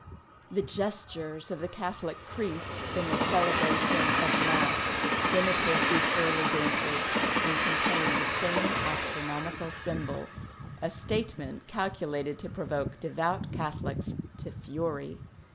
The gestures of the Catholic priest in the celebration of Mass imitate these early dances and contain the same astronomical symbol — a statement calculated to provoke devout Catholics to fury.